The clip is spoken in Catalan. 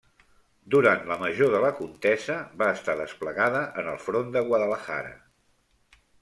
Durant la major de la contesa va estar desplegada en el front de Guadalajara.